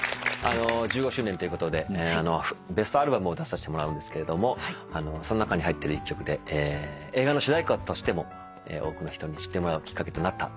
１５周年ということでベストアルバムを出させてもらうんですけれどもその中に入ってる一曲で映画の主題歌としても多くの人に知ってもらうきっかけとなった曲です。